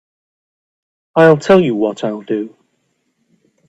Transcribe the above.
I'll tell you what I'll do.